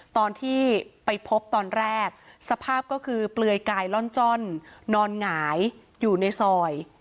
ตอนที่ไปพบตอนแรกสภาพก็คือเปลือยกายล่อนจ้อนนอนหงายอยู่ในซอย